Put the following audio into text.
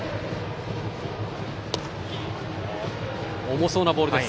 重そうなボールです。